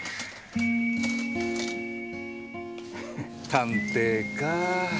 探偵かぁ。